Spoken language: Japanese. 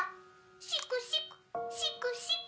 シクシクシクシク。